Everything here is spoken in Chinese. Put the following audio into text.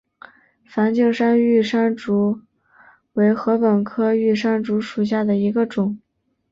梵净山玉山竹为禾本科玉山竹属下的一个种。